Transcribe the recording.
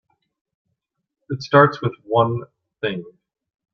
It starts with one thing.